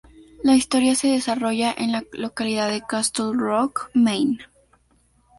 La historia se desarrolla en la localidad de Castle Rock, Maine.